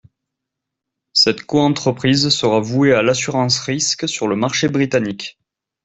Cette coentreprise sera vouée à l'assurance risque sur le marché britannique.